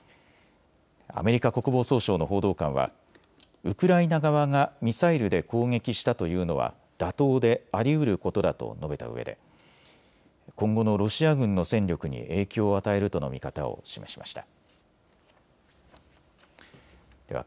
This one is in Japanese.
アメリカ国防総省の報道官はウクライナ側がミサイルで攻撃したというのは妥当でありうることだと述べたうえで今後のロシア軍の戦力に影響を与えるとの見方を示しました。